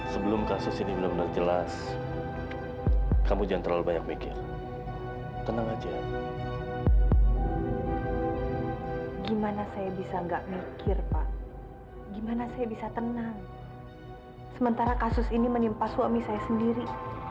sementara kasus ini menimpa suami saya sendiri